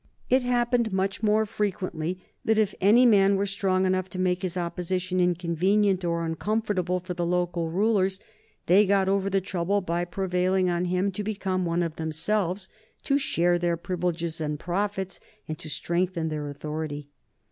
It happened much more frequently that if any man were strong enough to make his opposition inconvenient or uncomfortable for the local rulers, they got over the trouble by prevailing on him to become one of themselves, to share their privileges and profits, and to strengthen their authority.